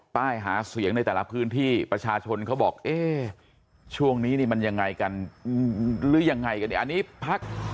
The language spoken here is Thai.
ป้ายหาเสียงในแต่ละพื้นที่ประชาชนเขาบอกเอ๊ะช่วงนี้นี่มันยังไงกันหรือยังไงกันเนี่ยอันนี้พัก